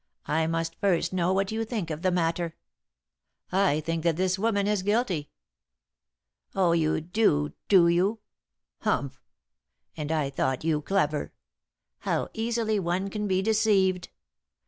I must first know what you think of the matter." "I think that this woman is guilty." "Oh, you do, do you. Humph! And I thought you clever. How easily one can be deceived!